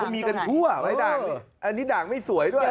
มีกันทั่วไหมด่างนี่อันนี้ด่างไม่สวยด้วย